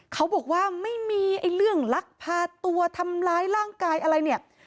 เขาบอกว่าไม่มีไอ้เรื่องลักพาตัวทำร้ายร่างกายอะไรเนี่ย